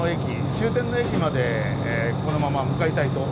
終点の駅までこのまま向かいたいと思います